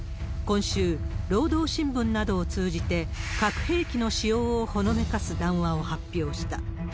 今週、労働新聞などを通じて、核兵器の使用をほのめかす談話を発表した。